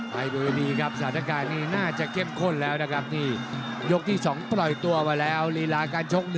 ไปบนวิธีครับสถานการณ์นี้น่าจะเข้มข้นแล้วนะครับนี่ยกที่๒ปล่อยตัวมาแล้วลีลาการชก